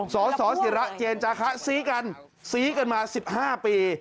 สสิระเจนจาคะซี้กันซี้กันมา๑๕ปี